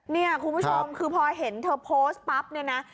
เนี่ยคุณผู้ชมคือพอเห็นเธอโพสต์ปั๊บเนี่ยนะ